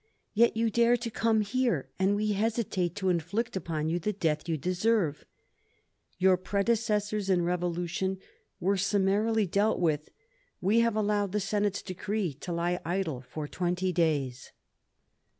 Yet you dare to come here, and we hesitate to inflict upon you the death you deserve. Your predecessors in revolution were summarily dealt with_; we _have allowed the Senate's decree to lie idle for twenty days.